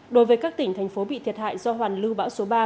đối với các tỉnh thành phố bị thiệt hại do hoàn lưu bão số ba